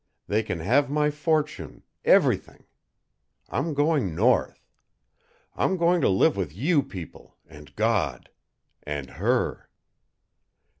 They can have my fortune everything. I'm going North. I'm going to live with YOU people and God AND HER!"